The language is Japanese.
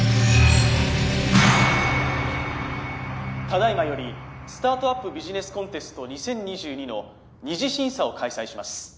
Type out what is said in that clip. ・ただいまよりスタートアップビジネスコンテスト２０２２の二次審査を開催します